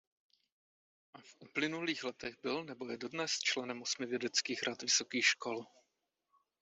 V uplynulých letech byl nebo je dodnes členem osmi vědeckých rad vysokých škol.